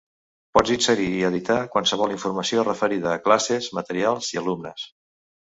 Pots inserir i editar qualsevol informació referida a classes, materials i alumnes.